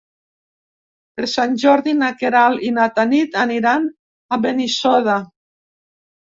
Per Sant Jordi na Queralt i na Tanit aniran a Benissoda.